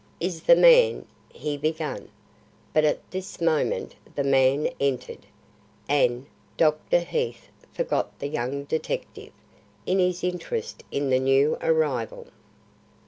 "Is the man " he began, but at this moment the man entered, and Dr. Heath forgot the young detective, in his interest in the new arrival.